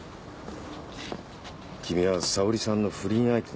君は沙織さんの不倫相手なのか？